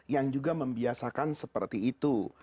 yang juga membiarkan budaya indonesia untuk berziarah kubur di indonesia